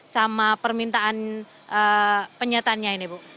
sama permintaan penyataannya ini bu